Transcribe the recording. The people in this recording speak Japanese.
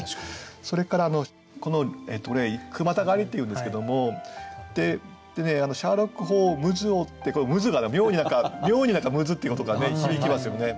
それからこの句またがりっていうんですけども「シャーロック・ホームズを」ってこの「ムズ」が妙に何か「ムズ」っていう音が響きますよね。